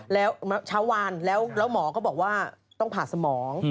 แล้วเช้าวานแล้วหมอก็บอกว่าต้องผ่าสมอง